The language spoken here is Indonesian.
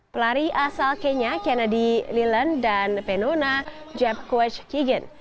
pelari asal kenya kennedy leland dan penona jebkowich kigin